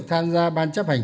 tham gia ban chấp hành